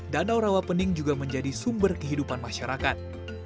danau rawapening juga menjadi sumber kehidupan masyarakat